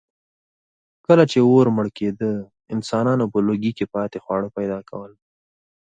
کله چې اور مړ کېده، انسانانو په لوګي کې پاتې خواړه پیدا کول.